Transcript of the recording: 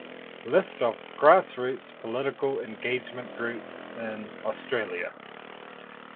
List of grassroots political engagement groups in Australia